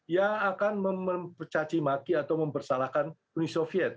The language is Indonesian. yang akan mempercacimaki atau mempersalahkan uni soviet